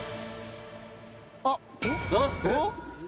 あっ！